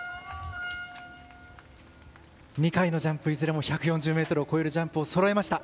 ２回のジャンプいずれも１４０ｍを越えるジャンプをそろえました。